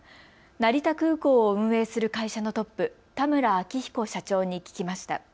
成田空港を運営する会社のトップ、田村明比古社長に聞きました。